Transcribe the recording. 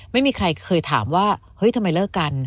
ไม่มีใครเคยถามว่าเฮ้ยทำไมเลิกกัน